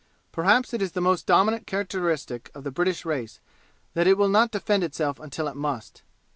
Perhaps it is the most dominant characteristic of the British race that it will not defend itself until it must.